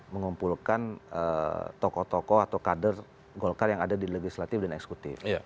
mengumpulkan tokoh tokoh atau kader golkar yang ada di legislatif dan eksekutif